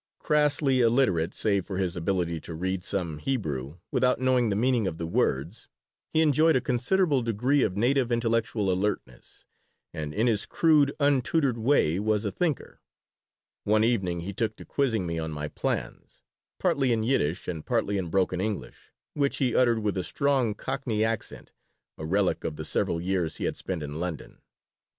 Crassly illiterate save for his ability to read some Hebrew, without knowing the meaning of the words, he enjoyed a considerable degree of native intellectual alertness, and in his crude, untutored way was a thinker One evening he took to quizzing me on my plans, partly in Yiddish and partly in broken English, which he uttered with a strong Cockney accent, a relic of the several years he had spent in London.